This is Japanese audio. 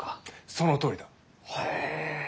そのとおりだ！へえ。